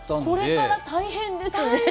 これから大変ですね。